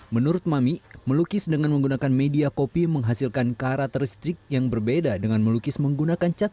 menurut mami melukis dengan menggunakan media kopi menghasilkan karakteristik yang berbeda dengan melukis menggunakan cat